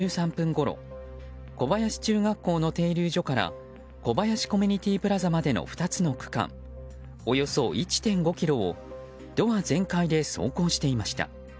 ＪＲ小林駅に向かうバスは午前８時５３分ごろ小林中学校の停留所から小林コミュニティプラザまでの２つの区間およそ１．５ｋｍをドア全開で走行していました。